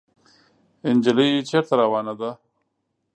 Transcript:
انجلۍ چېرته روانه ده ؟